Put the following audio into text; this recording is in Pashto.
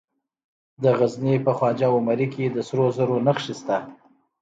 د غزني په خواجه عمري کې د سرو زرو نښې شته.